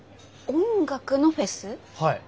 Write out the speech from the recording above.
はい。